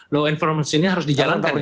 low information ini harus dijalankan